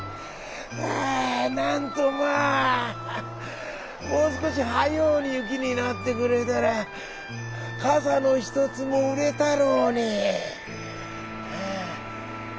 「なんとまあもうすこしはようにゆきになってくれたらかさのひとつもうれたろうに」。